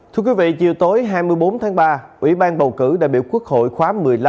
thưa quý vị chiều tối hai mươi bốn tháng ba ủy ban bầu cử đại biểu quốc hội khóa một mươi năm